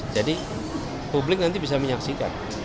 jadi publik nanti bisa menyaksikan